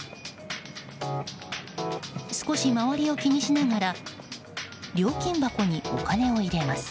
少し周りを気にしながら料金箱にお金を入れます。